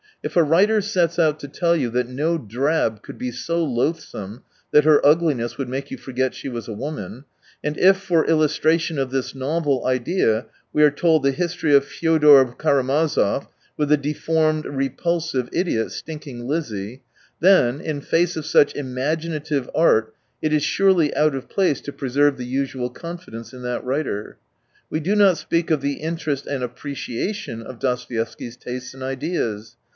If a writer sets out to tell you that no drab could be so loathsome that her ugliness would make you forget she was woman ; and if for illustration of this novel idea we are told the history of Fiodov Karamazov with the deformed, repulsive idiot, Stinking Lizzie ; then, in face of such " imaginative art " it is surely out of place to preserve the usual confidence in that writer. We do not speak of the interest and appreciation of Dostoevsky's tastes and ideas.